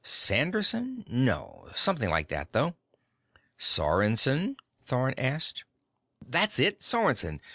Sanderson? No. Something like that, though." "Sorensen?" Thorn asked. "That's it! Sorensen!